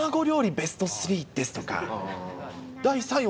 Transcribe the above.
ベスト３ですとか。